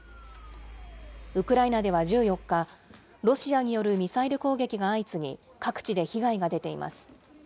ウクライナでは１４日、ロシアによるミサイル攻撃が相次ぎ、各地で被害が出ています。